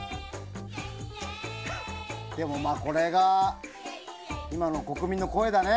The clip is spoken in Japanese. でも、これが今の国民の声だね。